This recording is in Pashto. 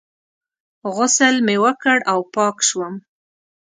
غسل مې وکړ او پاک شوم.